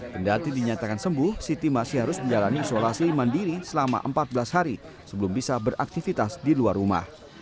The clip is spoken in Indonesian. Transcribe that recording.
kendati dinyatakan sembuh siti masih harus menjalani isolasi mandiri selama empat belas hari sebelum bisa beraktivitas di luar rumah